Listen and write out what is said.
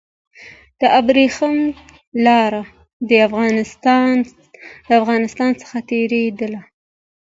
د ابريښم لار د افغانستان څخه تېرېدله.